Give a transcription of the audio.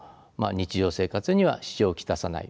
日常生活には支障を来さない